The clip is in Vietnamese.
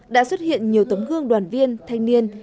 đã xuất hiện nhiều tấm gương đoàn viên thanh niên